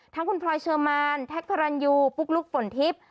ทั้งคุณพรอยเชิงมานแท็กพรรณยูปุ๊กลุ๊กป่นทิศ